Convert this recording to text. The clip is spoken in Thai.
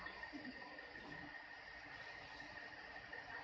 เนี่ยแค่เนี่ยไฟเดิน